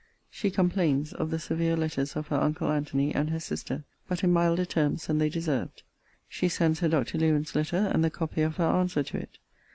She complains of the severe letters of her uncle Antony and her sister; but in milder terms than they deserved. She sends her Dr. Lewen's letter, and the copy of her answer to it.